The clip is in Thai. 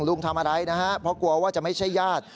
ทำอะไรนะฮะเพราะกลัวว่าจะไม่ใช่ญาติ